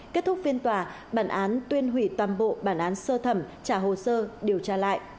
kết thúc phiên tòa bản án tuyên hủy toàn bộ bản án sơ thẩm trả hồ sơ điều tra lại